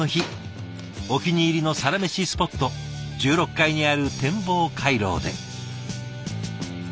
お気に入りのサラメシスポット１６階にある展望回廊で。